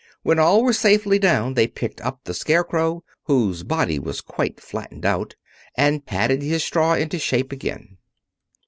When all were safely down they picked up the Scarecrow, whose body was quite flattened out, and patted his straw into shape again.